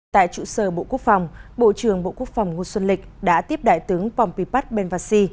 tại trụ sở bộ quốc phòng bộ trưởng bộ quốc phòng nguồn xuân lịch đã tiếp đại tướng phòng pipat benvasi